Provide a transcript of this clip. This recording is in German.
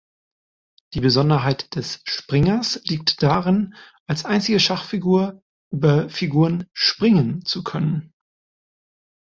Die Besonderheit des Springers liegt darin, als einzige Schachfigur über Figuren „springen“ zu können.